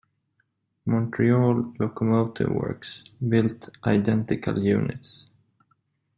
Montreal Locomotive Works built identical units.